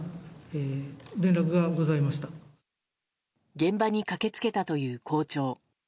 現場に駆けつけたという校長。